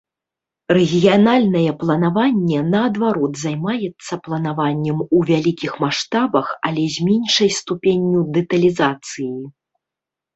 Рэгіянальнае планаванне, наадварот, займаецца планаваннем у вялікіх маштабах, але з меншай ступенню дэталізацыі.